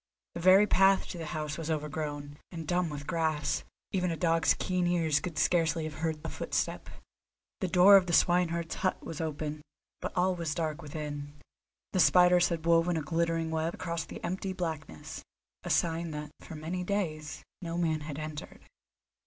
The very path to the house was overgrown, and dumb with grass; even a dog's keen ears could scarcely have heard a footstep. The door of the swineherd's hut was open, but all was dark within. The spiders had woven a glittering web across the empty blackness, a sign that for many days no man had entered.